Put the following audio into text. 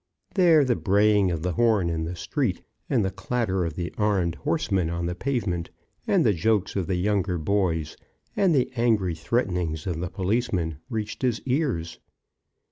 There the braying of the horn in the street, and the clatter of the armed horsemen on the pavement, and the jokes of the young boys, and the angry threatenings of the policemen, reached his ears.